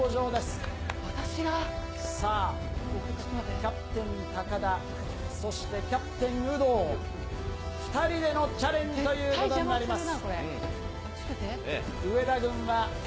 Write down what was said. キャプテン、高田、そしてキャプテン、有働、２人でのチャレンジということになります。